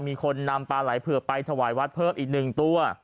มีคนนำปลาไหลเผือกไปถวายวัดเพิ่มอีก๑ตัว